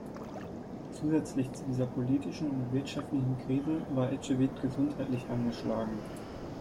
Zusätzlich zu dieser politischen und wirtschaftlichen Krise war Ecevit gesundheitlich angeschlagen.